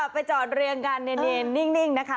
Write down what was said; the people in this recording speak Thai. ไปจอดเรียงกันเนรนิ่งนะคะ